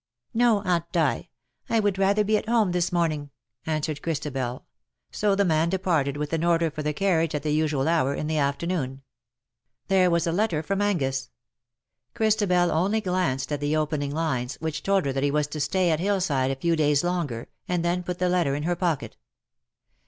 ''" No, Aunt Di — I would rather be at home this morning,'' answered Christabel; so the man departed, with an order for the carriage at the usual hour in the afternoon. There was a letter from Angus — Christabel only LE SECRET DE POLICHINELLE. 271 glanced at the opening lines, which told her that he was to stay at Hillside a few days longer, and then put the letter in her pocket.